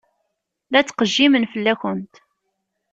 La ttqejjimen fell-akent.